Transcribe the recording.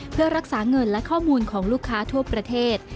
เพื่อรักษาเงินและข้อมูลของลูกค้าทั่วประเทศ